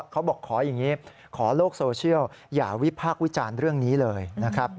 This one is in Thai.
ขออย่างนี้ขอโลกโซเชียลอย่าวิพากษ์วิจารณ์เรื่องนี้เลยนะครับ